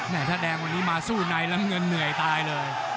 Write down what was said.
ถ้าแดงวันนี้มาสู้ในน้ำเงินเหนื่อยตายเลย